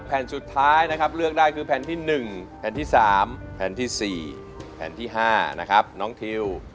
แผ่นสุดท้ายนะครับเลือกได้คือแผ่นที่๑แผ่นที่๓แผ่นที่๔แผ่นที่๕นะครับน้องทิว